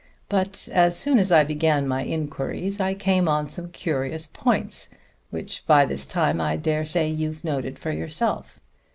But as soon as I began my inquiries I came on some curious points, which by this time I dare say you've noted for yourself.